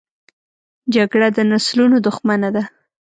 جګړه د نسلونو دښمنه ده